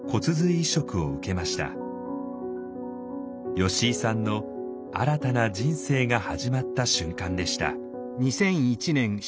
吉井さんの新たな人生が始まった瞬間でした。